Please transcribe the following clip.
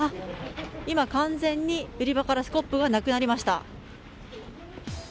今、完全に売り場からスコップがなくなりました。